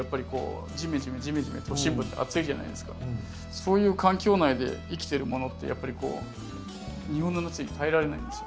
そういう環境内で生きてるものって日本の夏に耐えられないんですよ。